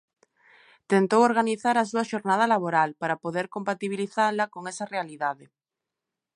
Tentou organizar a súa xornada laboral para poder compatibilizala con esa realidade.